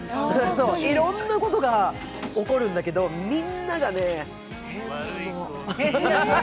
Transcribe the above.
いろんなことが起こるんだけどみんなが変なの。